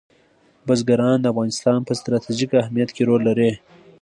بزګان د افغانستان په ستراتیژیک اهمیت کې رول لري.